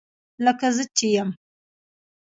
لکه زه چې یم